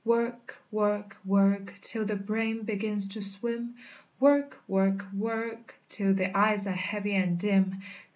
"Work work work Till the brain begins to swim! Work work work Till the eyes are heavy and dim!